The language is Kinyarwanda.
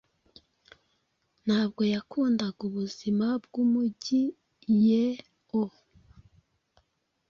Ntabwo yakundaga ubuzima bwumujyiyeoo